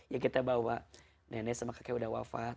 ya kita bawa nenek sama kakek udah wafat